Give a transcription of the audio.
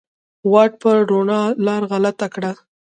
واټ په روڼا لار غلطه کړه